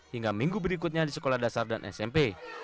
hingga minggu berikutnya di sekolah dasar dan smp